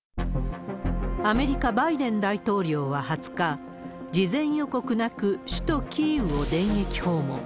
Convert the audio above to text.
アメリカ、バイデン大統領は２０日、事前予告なく首都キーウを電撃訪問。